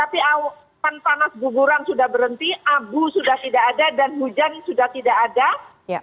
tapi awan panas guguran sudah berhenti abu sudah tidak ada dan hujan sudah tidak ada